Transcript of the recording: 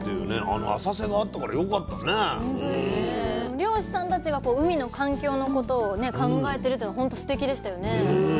漁師さんたちが海の環境のことを考えてるっていうのほんとすてきでしたよね。